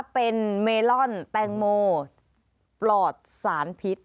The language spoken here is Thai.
เป็นเมลอนแตงโมปลอดสารพิษ